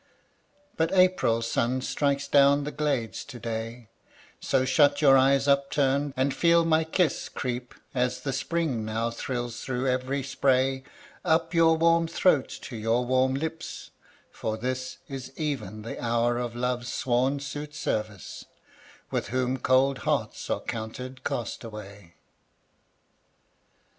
But April's sun strikes down the glades to day; So shut your eyes upturned, and feel my kiss Creep, as the Spring now thrills through every spray, Up your warm throat to your warm lips: for this Is even the hour of Love's sworn suitservice, With whom cold hearts are counted castaway.